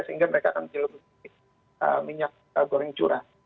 sehingga mereka akan menyeluruh minyak goreng curah